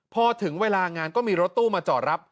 พอถึงเวลางานก็มีรถตู้มาจอดรับ